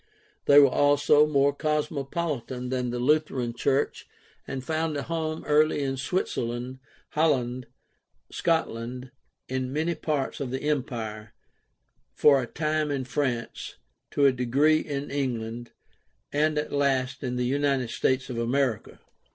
They were also more cosmopolitan than the Lutheran church and found a home early in Switzerland, Holland, Scotland, in many parts of the Empire, for a time in France, to a degree in England, and at last in the United States of America.